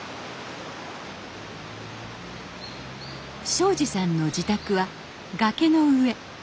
省二さんの自宅は崖の上。